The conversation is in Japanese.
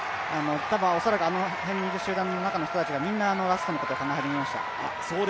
恐らくあの辺にいる集団の人たちが、みんなラストのことを考え始めました。